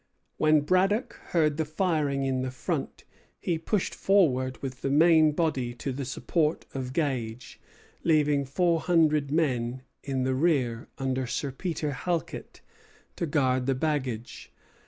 When Braddock heard the firing in the front, he pushed forward with the main body to the support of Gage, leaving four hundred men in the rear, under Sir Peter Halket, to guard the baggage.